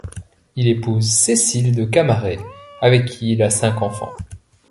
Il épouse Cécile de Camaret avec qui il a cinq enfants.